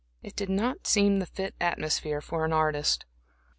It did not seem the fit atmosphere for an artist.